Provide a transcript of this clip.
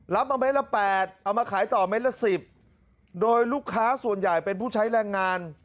รับมาเม็ดละแปดเอามาขายต่อเม็ดละสิบโดยลูกค้าส่วนใหญ่เป็นผู้ใช้แรงงาน